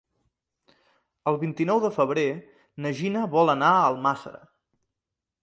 El vint-i-nou de febrer na Gina vol anar a Almàssera.